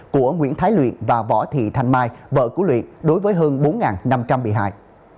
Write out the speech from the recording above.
của nguyễn thái luyện và võ thị thanh mai vợ của luyện đối với hơn bốn năm trăm linh bị hại